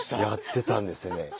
やってたんですね。